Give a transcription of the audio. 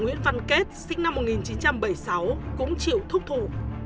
nguyễn văn kết sinh năm một nghìn chín trăm bảy mươi sáu cũng chịu thúc thủ